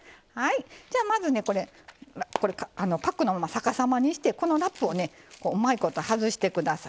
じゃあまずねこれパックのまま逆さまにしてこのラップをねうまいこと外して下さい。